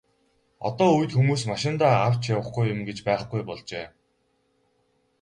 Одоо үед хүмүүс машиндаа авч явахгүй юм гэж байхгүй болжээ.